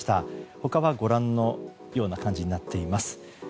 他はご覧のような感じになっています。